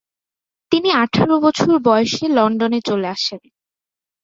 তিনি আঠারো বছর বয়সে লন্ডনে চলে আসেন।